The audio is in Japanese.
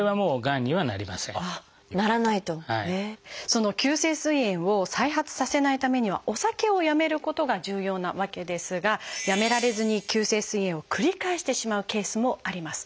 その急性すい炎を再発させないためにはお酒をやめることが重要なわけですがやめられずに急性すい炎を繰り返してしまうケースもあります。